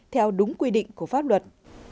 theo đúng quy định của pháp luật